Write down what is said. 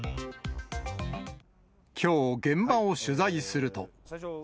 きょう、現場を取材すると。